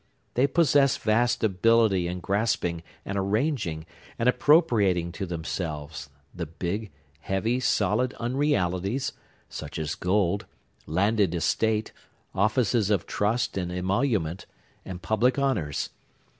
They possess vast ability in grasping, and arranging, and appropriating to themselves, the big, heavy, solid unrealities, such as gold, landed estate, offices of trust and emolument, and public honors.